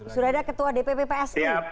sudah ada ketua dpp psi